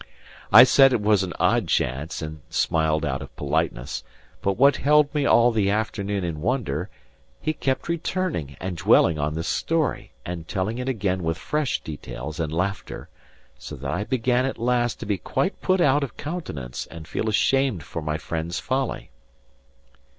I said it was an odd chance, and smiled out of politeness; but what held me all the afternoon in wonder, he kept returning and dwelling on this story, and telling it again with fresh details and laughter; so that I began at last to be quite put out of countenance and feel ashamed for my friend's folly.